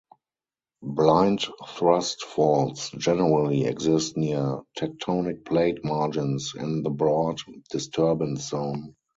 Blind thrust faults generally exist near tectonic plate margins, in the broad disturbance zone.